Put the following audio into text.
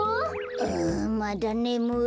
あまだねむい。